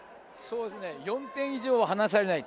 ４点以上離されない。